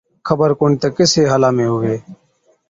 خبر ڪونهِي تہ ڪِسي حالا ۾ هُوَي؟